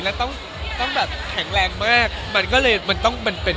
แล้วต้องต้องแบบแข็งแรงมากมันก็เลยมันต้องมันเป็น